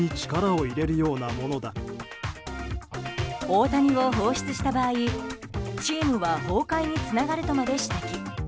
大谷を放出した場合チームは崩壊につながるとまで指摘。